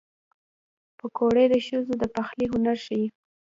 پکورې د ښځو د پخلي هنر ښيي